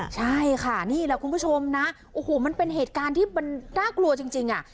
ใช่ค่ะนี่แหละคุณผู้ชมนะโอ้โหมันเป็นเหตุการณ์ที่มันน่ากลัวจริงอ่ะ